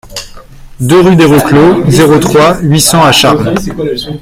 deux rue des Reclos, zéro trois, huit cents à Charmes